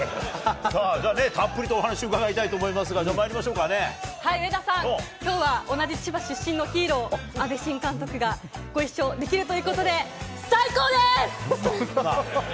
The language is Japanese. さあ、じゃあね、たっぷりとお話を伺いたいと思いますが、じゃあ、上田さん、きょうは同じ千葉出身のヒーロー、阿部新監督がご一緒できるということで最高です！